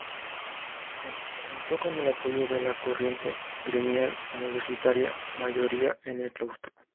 Contó con el apoyo de la Corriente Gremial Universitaria, mayoría en el Claustro.